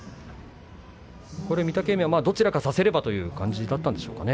御嶽海はどちらか差せればという感じだったんでしょうかね